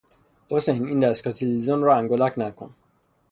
حسین این دستگاه تلویزیون را انگولک نکن!